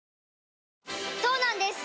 そうなんです